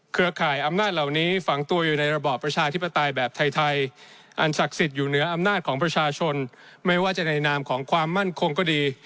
ข่ายอำนาจเหล่านี้ฝังตัวอยู่ในระบอบประชาธิปไตยแบบไทยอันศักดิ์สิทธิ์อยู่เหนืออำนาจของประชาชนไม่ว่าจะในนามของความมั่นคงก็ดี